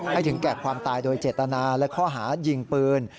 ถึงแก่ความตายโดยเจตนาและข้อหายิงปืน